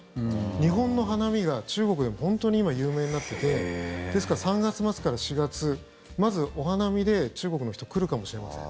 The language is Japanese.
日本の花見が中国でも本当に今、有名になっていてですから、３月末から４月まず、お花見で中国の人、来るかもしれません。